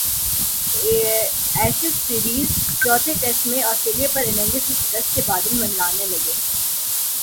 Ashes series چوتھے test میں Australia پر اننگز کی شکست کے بادل منڈلانے لگے